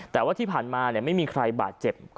แต่ว่าที่ผ่านมาไม่มีใครบาดเจ็บ